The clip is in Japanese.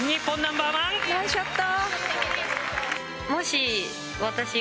ナイスショット。